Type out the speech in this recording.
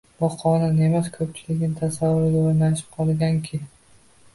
— Bu qonun emas. Ko‘pchilikning tasavvurida o‘rnashib qolganki